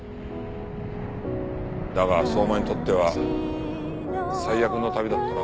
だが相馬にとっては最悪の旅だったな。